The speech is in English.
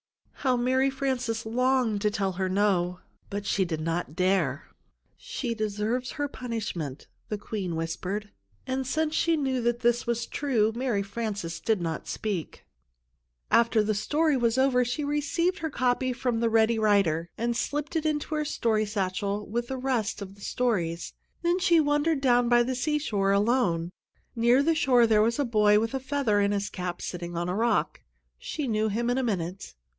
How Mary Frances longed to tell her no, but she did not dare! "She deserves her punishment," the Queen whispered, and since she knew that that was true, Mary Frances did not speak. After the story was over, she received her copy from the Ready Writer and slipped it into her story satchel with the rest of the stories. Then she wandered down by the seashore alone. Near the shore there was a boy with a feather in his cap sitting on a rock. She knew him in a minute.